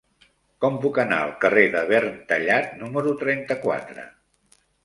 Com puc anar al carrer de Verntallat número trenta-quatre?